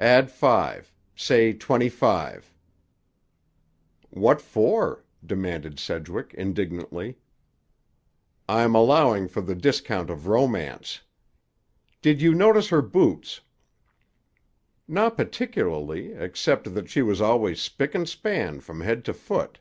"Add five. Say twenty five." "What for?" demanded Sedgwick indignantly. "I'm allowing for the discount of romance. Did you notice her boots?" "Not particularly; except that she was always spick and span from head to foot."